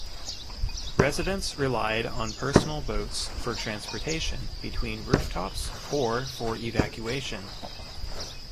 Residents relied on personal boats for transportation between rooftops or for evacuation.